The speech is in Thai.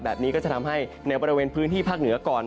แบบนี้ก็จะทำให้ในบริเวณพื้นที่ภาคเหนือก่อน